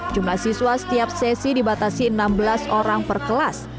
jumlah siswa setiap sesi dibatasi enam belas orang per kelas